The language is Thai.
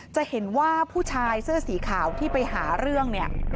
จะเห็นว่าผู้ชายเสื้อสีขาวที่ไปหาเรื่องเนี่ย